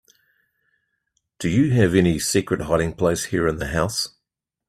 Do you have any secret hiding place here in the house?